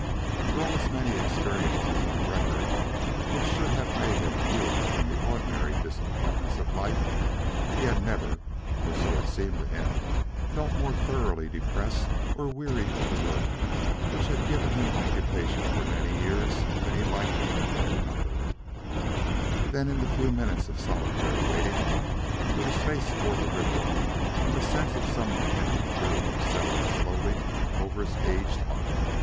For all his many experiences and a record which should have made him immune from the ordinary disappointments of life, he had never, or so it seemed to him, felt more thoroughly depressed or weary of the work which had given him occupation for more years than he liked to number, than in the few minutes of solitary waiting, with his face toward the river and the sense of some impending doom settling slowly over his aged heart.